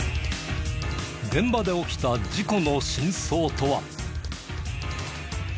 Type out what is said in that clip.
現場で起きた事故の真相とは？